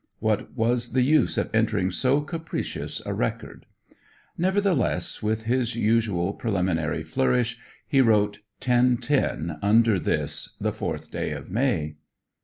What was the use of entering so capricious a record? Nevertheless, with his usual preliminary flourish he wrote 10:10 under this, the fourth day of May.